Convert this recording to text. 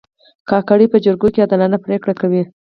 کاکړ په جرګو کې عادلانه پرېکړې کوي.